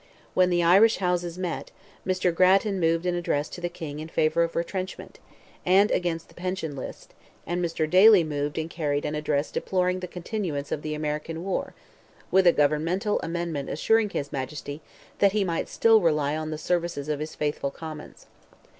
When the Irish Houses met, Mr. Grattan moved an address to the King in favour of retrenchment, and against the pension list, and Mr. Daly moved and carried an address deploring the continuance of the American war, with a governmental amendment assuring his Majesty that he might still rely on the services of his faithful Commons.